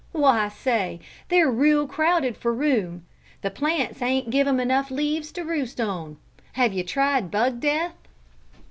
Why, say, they're real crowded for room the plants ain't give 'em enough leaves to roost on! Have you tried 'Bug Death'?"